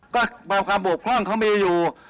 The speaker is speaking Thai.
ก็บอกความบกพร่องเขามีอยู่